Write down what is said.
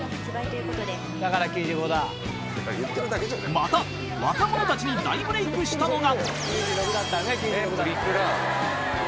［また若者たちに大ブレークしたのが］